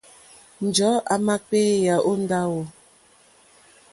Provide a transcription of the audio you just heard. Njɔ̀ɔ́ àmà kpééyá ó ndáwù.